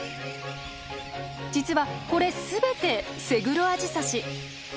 実はこれ全てセグロアジサシ。